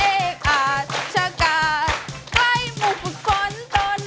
เอกอาจชะกาดไว้หมู่ฝนตน